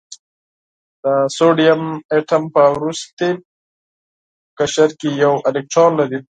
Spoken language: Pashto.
د سوډیم اتوم په وروستي قشر کې یو الکترون لري.